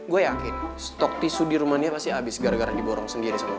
gue yakin stok tisu di rumania pasti abis gara gara diborong sendiri sama lo